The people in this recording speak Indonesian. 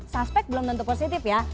suspek belum tentu positif ya